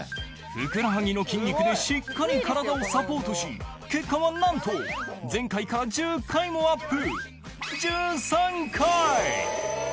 ふくらはぎの筋肉でしっかり体をサポートし結果はなんと前回から１０回もアップ